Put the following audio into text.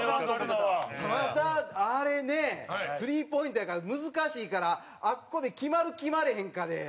ただ、あれねスリーポイントやから難しいから、あっこで決まる、決まれへんかで。